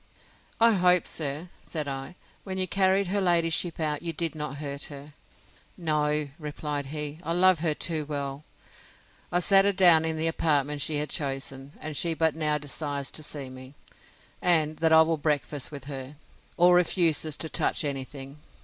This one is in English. I hope, sir, said I, when you carried her ladyship out, you did not hurt her. No, replied he, I love her too well. I set her down in the apartment she had chosen: and she but now desires to see me, and that I will breakfast with her, or refuses to touch any thing.